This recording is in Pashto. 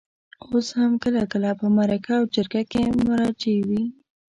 اوس هم کله کله په مرکه او جرګه کې مرجع وي.